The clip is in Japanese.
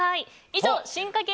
以上進化系